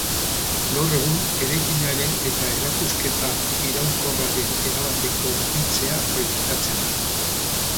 Gaur egun, eraikinaren eta erakusketa iraunkorraren erabateko berritzea proiektatzen da.